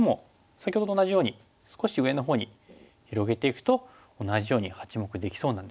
先ほどと同じように少し上のほうに広げていくと同じように８目できそうなんですね。